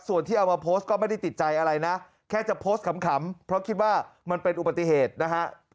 ส่วนที่เอามาโพสต์ก็ไม่ได้ติดใจอะไรนะแค่จะโพสต์ขำเพราะคิดว่ามันเป็นอุบัติเหตุนะฮะ